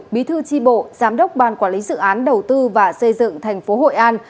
bí thư tri bộ giám đốc ban quản lý dự án đầu tư và xây dựng thành phố hội an